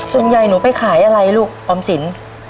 ส่วนใหญ่หนูไปขายอะไรลูกออมสิน